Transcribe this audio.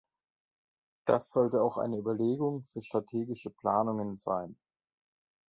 Das sollte auch eine Überlegung für strategische Planungen sein.